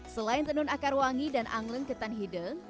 selain tenun akar wangi dan angleng ketan hideng